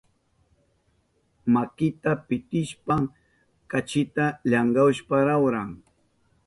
Makinta pitishpan kachita llankashpan lawran.